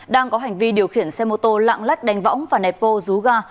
đang có hành vi điều khiển xe mô tô lạng lách đánh võng và nẹp bô rú ga